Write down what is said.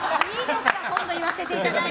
今度言わせていただいて。